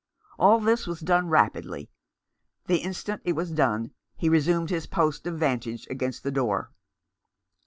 All this was done rapidly. The instant it was done he resumed his post of vantage against the door.